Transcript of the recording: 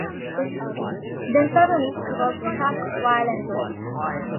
Then suddenly he was struck violently.